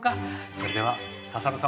それでは笹野さん